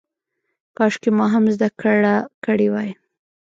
کاشکې ما هم زده کړه کړې وای.